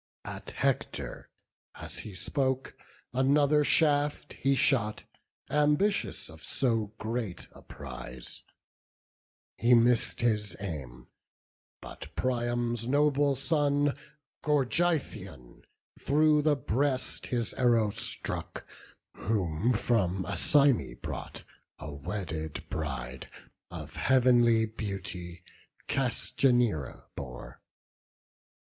At Hector, as he spoke, another shaft He shot, ambitious of so great a prize: He miss'd his aim; but Priam's noble son Gorgythion, through the breast his arrow struck, Whom from Æsyme brought, a wedded bride Of heavenly beauty, Castianeira bore.